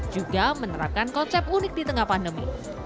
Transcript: juga menerapkan konsep unik di tengah pandemi